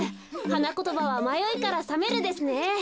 はなことばは「まよいからさめる」ですね。